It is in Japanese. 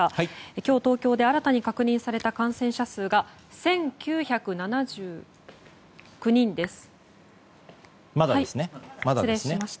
今日、東京で新たに確認された感染者数がまだですね。